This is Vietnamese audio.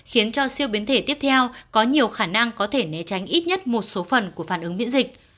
khiến cho siêu biến thể tiếp theo có nhiều khả năng có thể né tránh ít nhất một số phần của phản ứng miễn dịch